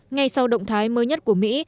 ngay sau động thái mới nhất của mỹ